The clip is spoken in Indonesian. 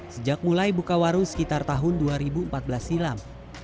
sejak mulai buka warung sekitar tahun dua ribu empat belas silam